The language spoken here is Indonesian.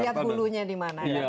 lihat hulunya dimana